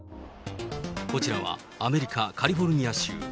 こちらはアメリカ・カリフォルニア州。